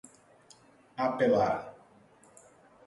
apelar